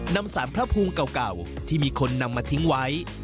นำสารพระภูมิเก่าที่มีคนนำมาทิ้งไว้